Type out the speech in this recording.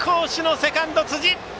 セカンド、辻。